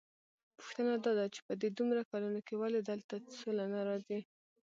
پوښتنه داده چې په دې دومره کلونو کې ولې دلته سوله نه راځي؟